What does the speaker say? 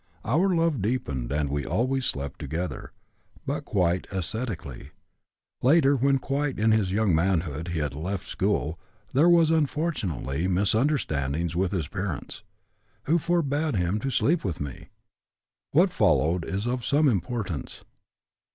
Our love deepened, and we always slept together, but quite ascetically. Later, when quite in his young manhood he had left school, there was, unfortunately, misunderstandings with his parents, who forbad him to sleep with me. What followed is of some importance.